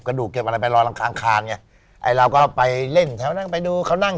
ดูเก็บอะไรไปลอยรังคางคานไงไอ้เราก็ไปเล่นแถวนั้นไปดูเขานั่ง